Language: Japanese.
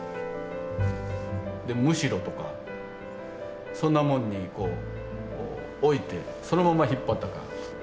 でむしろとかそんなもんに置いてそのまま引っ張ったか。